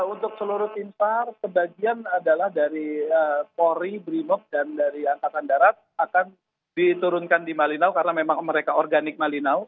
untuk seluruh tim sar sebagian adalah dari polri brimob dan dari angkatan darat akan diturunkan di malinau karena memang mereka organik malinau